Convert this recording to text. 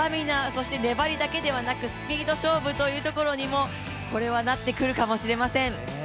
そして、粘りだけではなくてスピード勝負というところにもこれはなってくるかもしれません。